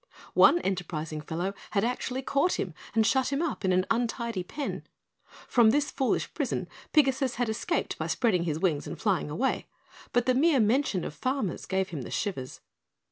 One enterprising fellow had actually caught him and shut him up in an untidy pen. From this foolish prison Pigasus had escaped by spreading his wings and flying away, but the mere mention of farmer gave him the shivers.